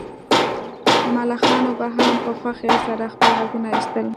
ملخانو به هم په خوښۍ سره خپل غږونه ایستل